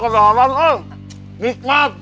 keadaan eh nikmat